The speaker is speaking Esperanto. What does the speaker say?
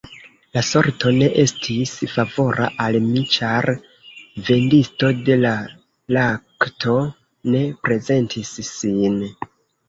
La sorto ne estis favora al mi, ĉar vendisto de lakto ne prezentis sin.